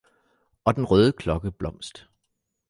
Og den røde klokkeblomst